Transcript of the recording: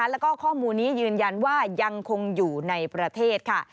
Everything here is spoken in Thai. แล้วก็ข้อมูลนี้ยืนยันว่ายังคงอยู่ในประเทศค่ะ